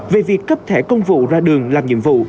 về việc cấp thẻ công vụ ra đường làm nhiệm vụ